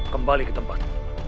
kembali ke tempat